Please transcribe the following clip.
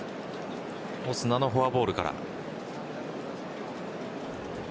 オスナのフォアボールから。